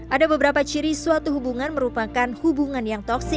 ada beberapa ciri suatu hubungan merupakan hubungan yang toxic